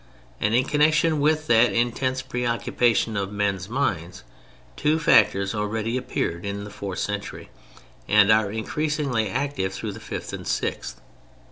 And in connection with that intense preoccupation of men's minds, two factors already appear in the fourth century and are increasingly active through the fifth and sixth.